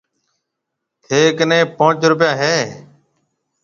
ٿَي ڪنَي پونچ روپيا هيَ۔